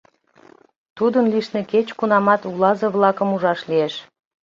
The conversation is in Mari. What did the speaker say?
Тудын лишне кеч-кунамат улазе-влакым ужаш лиеш.